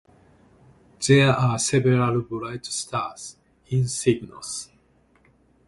There are several bright stars in Cygnus.